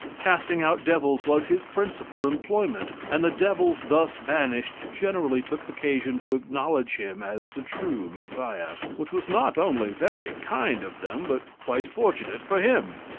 Casting out devils was his principal employment, and the devils thus banished generally took occasion to acknowledge him as the true Messiah; which was not only very kind of them, but quite fortunate for him.